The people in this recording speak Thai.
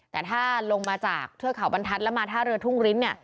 แต่ถ้าลงมาจากเทือกเขาบรรทัศน์แล้วมาท่าเรือทุ่งริ้น